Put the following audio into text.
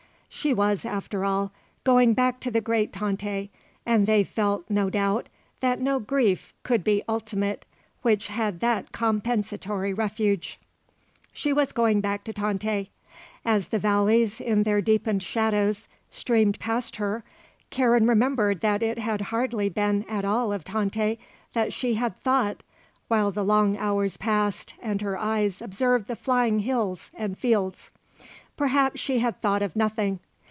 _" She was, after all, going back to the great Tante and they felt, no doubt, that no grief could be ultimate which had that compensatory refuge. She was going back to Tante. As the valleys, in their deepened shadows, streamed past her, Karen remembered that it had hardly been at all of Tante that she had thought while the long hours passed and her eyes observed the flying hills and fields. Perhaps she had thought of nothing.